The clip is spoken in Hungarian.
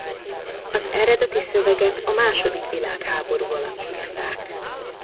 Az eredeti szöveget a második világháború alatt írták.